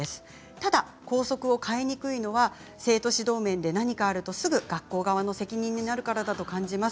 ただ校則を変えにくいのは生徒指導面で何かあるとすぐに学校側の責任になるからだと感じます。